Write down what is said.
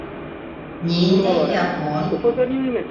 Ниндәй япон?